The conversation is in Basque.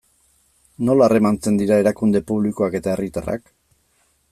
Nola harremantzen dira erakunde publikoak eta herritarrak?